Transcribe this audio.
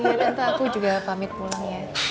iya kan aku juga pamit pulang ya